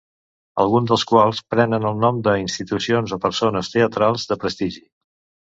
Alguns dels quals prenen el nom de institucions o persones teatrals de prestigi.